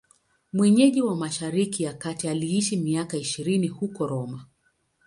Mwenyeji wa Mashariki ya Kati, aliishi miaka ishirini huko Roma.